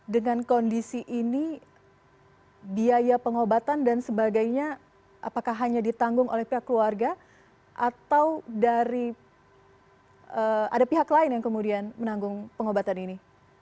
dengan kondisi ini biaya pengobatan dan sebagainya apakah hanya ditanggung oleh pihak keluarga atau dari ada pihak lain yang kemudian menanggung pengobatan ini